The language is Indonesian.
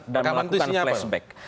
dan melakukan flashback